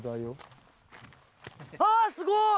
ああすごい！